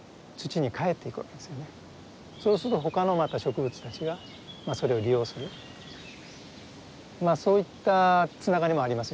そうすると他のまた植物たちがそれを利用するそういったつながりもありますよね。